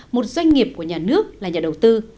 một doanh nghiệp của nhà nước là nhà đầu tư